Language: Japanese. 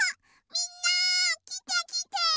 みんなきてきて！